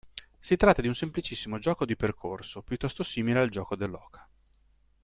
Si tratta di un semplicissimo gioco di percorso piuttosto simile al gioco dell'oca.